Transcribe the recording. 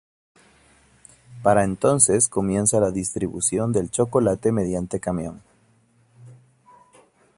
Para entonces comienza la distribución del chocolate mediante camión.